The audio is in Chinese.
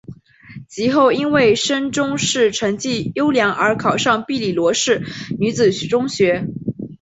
及后因为升中试成绩优良而考上庇理罗士女子中学。